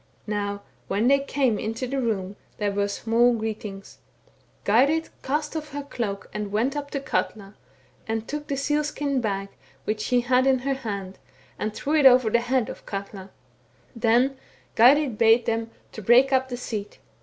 " Now when they came into the room, there were smaU greetings. Geirrid cast ofiF her the cloak and went up to Katla, and took the seal skin bag which she had in her hand, and drew it over the head of Katla.* Then Geirrid bade them break up the seat.